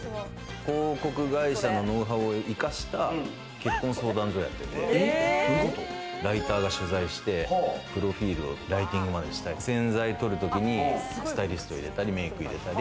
広告会社のノウハウを生かした結婚相談所をやっててライターが取材して、プロフィルをライティングまでしたり、宣材撮るときにスタイリスト入れたり、メーク入れたり。